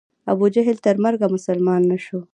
ابوجهل تر مرګه مسلمان نه شو.